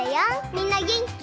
みんなげんき？